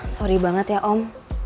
sorry banget ya om